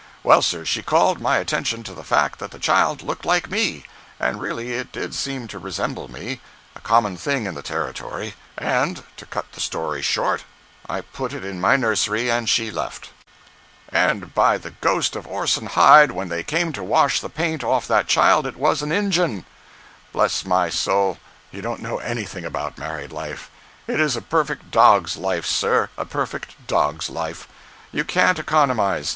Well, sir, she called my attention to the fact that the child looked like me, and really it did seem to resemble me—a common thing in the Territory—and, to cut the story short, I put it in my nursery, and she left. 124.jpg (68K) "And by the ghost of Orson Hyde, when they came to wash the paint off that child it was an Injun! Bless my soul, you don't know anything about married life. It is a perfect dog's life, sir—a perfect dog's life. You can't economize.